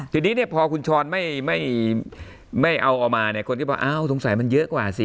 ทีนี้เนี่ยพอคุณชรไม่เอาออกมาเนี่ยคนก็คิดว่าอ้าวสงสัยมันเยอะกว่าสิ